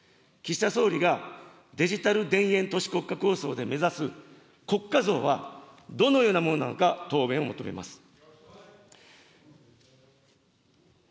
岸田総理がデジタル田園都市国家構想で目指す国家像はどのようなものなのか、答弁を求めます。